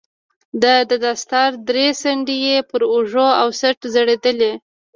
د دستار درې څنډې يې پر اوږو او څټ ځړېدې.